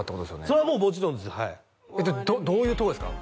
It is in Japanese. それはもうもちろんですはいどういうとこですか？